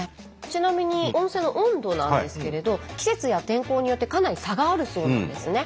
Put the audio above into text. ちなみに温泉の温度なんですけれど季節や天候によってかなり差があるそうなんですね。